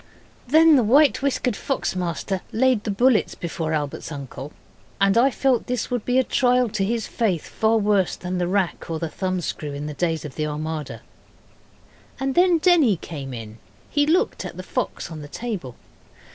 Then the white whiskered fox master laid the bullets before Albert's uncle, and I felt this would be a trial to his faith far worse than the rack or the thumb screw in the days of the Armada. And then Denny came in. He looked at the fox on the table.